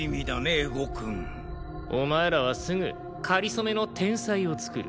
絵心くん。お前らはすぐかりそめの天才を創る。